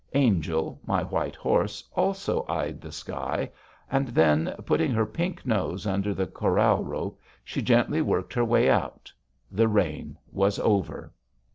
Angel, my white horse, also eyed the sky, and then, putting her pink nose under the corral rope, she gently worked her way out. The rain was over.